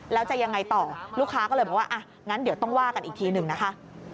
แล้วจะยังไงต่อลูกค้าก็เลยบอกว่าอ่ะงั้นเดี๋ยวต้องว่ากันอีกทีหนึ่งนะคะ